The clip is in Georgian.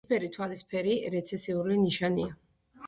ცისფერი თვალის ფერი რეცესიული ნიშანია.